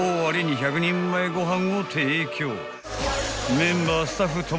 ［メンバースタッフともに］